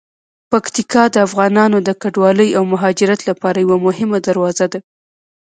پکتیکا د افغانانو د کډوالۍ او مهاجرت لپاره یوه مهمه دروازه ده.